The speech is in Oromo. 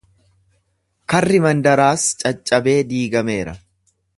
Karri mandaraas caccabee diigameera.